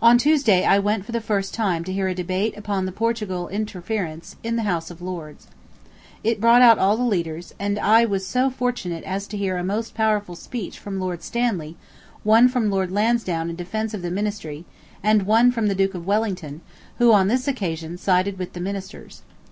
On Tuesday I went for the first time to hear a debate upon the Portugal interference in the House of Lords. It brought out all the leaders, and I was so fortunate as to hear a most powerful speech from Lord Stanley, one from Lord Lansdowne in defence of the Ministry and one from the Duke of Wellington, who, on this occasion, sided with the Ministers.